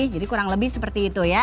jadi kurang lebih seperti itu ya